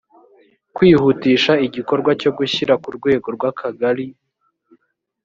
kwihutisha igikorwa cyo gushyira ku rwego rw akagali